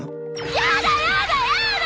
やだやだやだ！